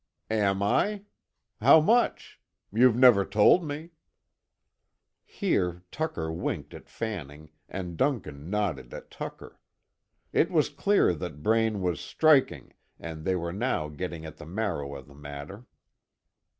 "Am I? How much? You've never told me." Here Tucker winked at Fanning, and Duncan nodded at Tucker. It was clear that Braine was "striking," and they were now getting at the marrow of the matter.